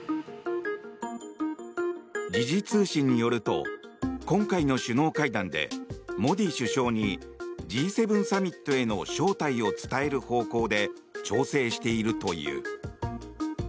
時事通信によると今回の首脳会談でモディ首相にＧ７サミットへの招待を伝える方向で調整しているという。